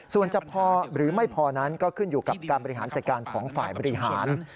ส่วนจะพอหรือไม่พอนั้นก็ขึ้นอยู่กับการบริหารจัดการของฝ่ายบริหาร